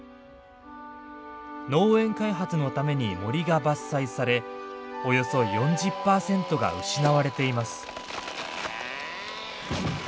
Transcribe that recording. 農園開発のために森が伐採されおよそ４０パーセントが失われています。